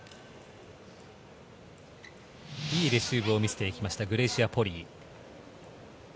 いいレシーブを見せていきましたグレイシア・ポリイ。